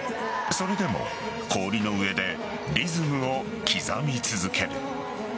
それでも氷の上でリズムを刻み続ける。